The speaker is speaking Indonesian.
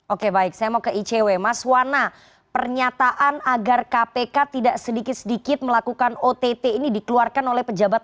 oke baik saya mau ke icw mas wana pernyataan agar kpk tidak sedikit sedikit melakukan ott ini dikeluarkan oleh pejabat